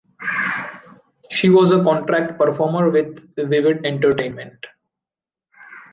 She was a contract performer with Vivid Entertainment.